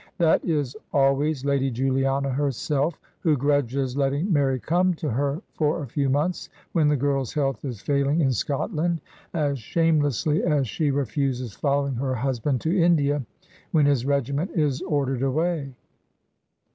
That is always Lady Juli ana herself, who grudges letting Mary come to her for a few months, when the girl's health is failing in Scot land, as shamelessly as she refuses following her husband to India when his regiment is ordered away.